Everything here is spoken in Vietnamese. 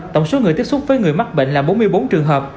tổng số người tiếp xúc với người mắc bệnh là bốn mươi bốn trường hợp